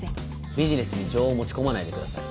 ビジネスに情を持ち込まないでください。